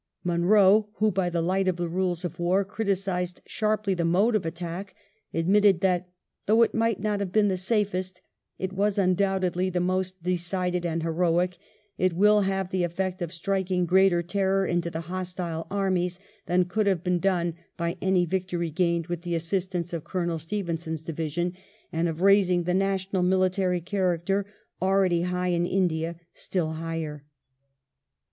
Munro, who, by the light of the rules of war, criticised sharply the mode of attack, admitted that "though it might not have been the safest it was undoubtedly the most decided and heroic ; it will have the effect of striking greater terror into the hostile armies than could have been done by any victory gained with the assistance of Colonel Stevenson's division, and of raising the national military character, already high in India, still higher."